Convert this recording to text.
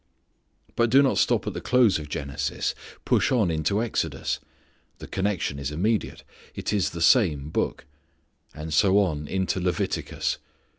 But do not stop at the close of Genesis. Push on into Exodus. The connection is immediate. It is the same book. And so on into Leviticus.